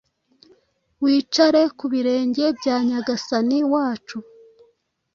Wicare ku birenge bya nyagasani wa cu